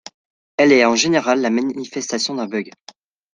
Elle est en général la manifestation d'un bug.